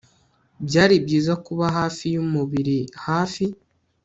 byari byiza kuba hafi yumubiri hafi